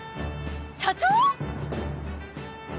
社長！？